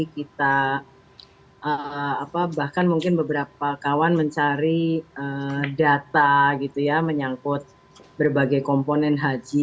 kita bahkan mungkin beberapa kawan mencari data gitu ya menyangkut berbagai komponen haji